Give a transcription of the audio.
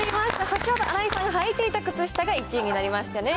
先ほど新井さんが履いていた靴下が１位になりましたね。